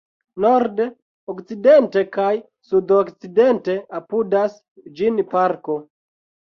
Norde, okcidente kaj sudokcidente apudas ĝin parko.